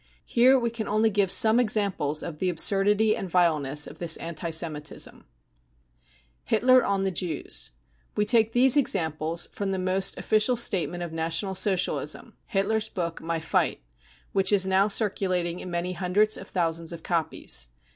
Here we can only give some examples of the absurdity and vileness of this anti Semitism* * Hitler on the Jews. We take these examples from the most official statement of National Socialism, Hitler's book My Fight , which is now circulating in many hundreds of thousands of copies.